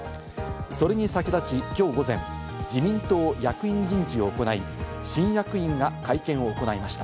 それに先立ち、きょう午前、自民党役員人事を行い、新役員が会見を行いました。